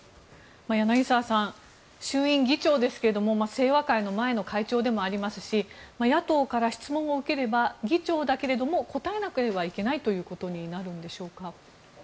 柳澤さん、衆院議長ですが清和会の前の会長でもありますし野党から質問を受ければ議長だけれども答えなければいけないということになるんでしょうか。